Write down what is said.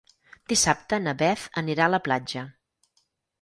Dissabte na Beth anirà a la platja.